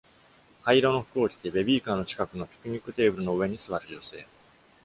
灰色の服を着て、ベビーカーの近くのピクニックテーブルの上に座る女性。